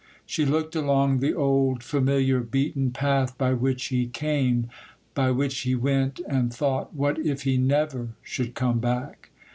She looked along the old, familiar, beaten path by which he came, by which he went, and thought, 'What if he never should come back?